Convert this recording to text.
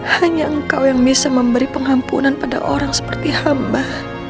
hanya engkau yang bisa memberi pengampunan pada orang seperti hamba